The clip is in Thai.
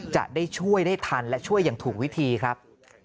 จะได้ช่วยได้ทันและช่วยอย่างถูกวิธีครับ